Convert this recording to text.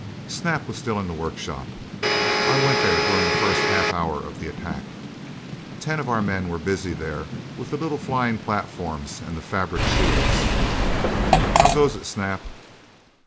Snap was still in the workshop. I went there during this first half hour of the attack. Ten of our men were busy there with the little flying platforms and the fabric shields. "How goes it, Snap?"